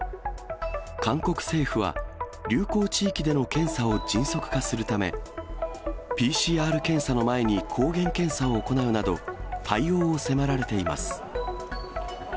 韓国政府は、流行地域での検査を迅速化するため、ＰＣＲ検査の前に抗原検査を行うなど、対応を迫られています。